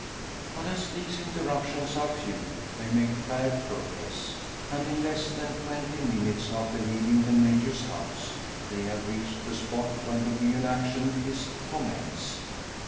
But as these interruptions are few, they make fair progress; and, in less than twenty minutes after leaving the Major's house, they have reached the spot where the real action is to commence.